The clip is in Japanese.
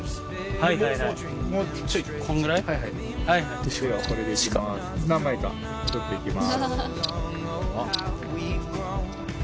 ・はいはい・・何枚か撮っていきます